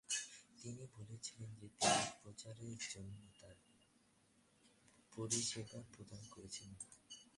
তিনি বলেছিলেন যে তিনি প্রচারের জন্য তাঁর পরিষেবা প্রদান করছেন না।